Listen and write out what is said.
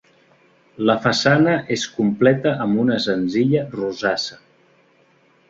La façana es completa amb una senzilla rosassa.